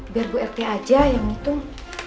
biar bu rt aja yang ngitung